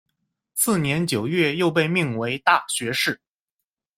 次年九月又被命为大学士。